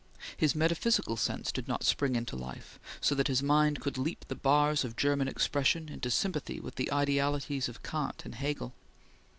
His metaphysical sense did not spring into life, so that his mind could leap the bars of German expression into sympathy with the idealities of Kant and Hegel.